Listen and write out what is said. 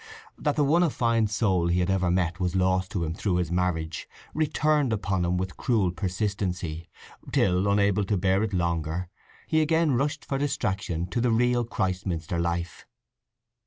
That the one affined soul he had ever met was lost to him through his marriage returned upon him with cruel persistency, till, unable to bear it longer, he again rushed for distraction to the real Christminster life.